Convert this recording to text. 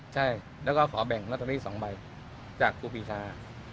ใช่แล้วก็ขอแบ่งลอตเตอรี่๒ใบจากครูปีชา